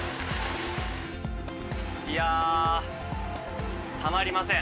いやー、たまりません。